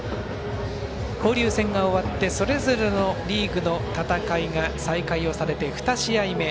交流戦が終わってそれぞれのリーグの戦いが再開をされて、２試合目。